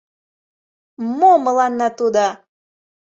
Мо мыланна тудо!